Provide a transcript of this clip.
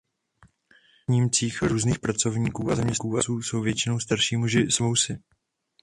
Na snímcích různých pracovníků a zaměstnanců jsou většinou starší muži s vousy.